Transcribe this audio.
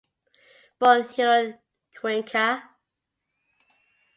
Born Hilarion Cuenca.